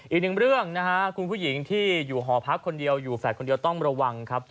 อีกหนึ่งเรื่องนะฮะคุณผู้หญิงที่อยู่หอพักคนเดียวอยู่แฝดคนเดียวต้องระวังครับ